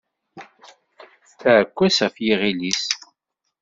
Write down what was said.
Taɛekkazt ɣef yiɣil-is.